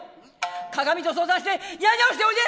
鏡と相談してやり直しておいで！」。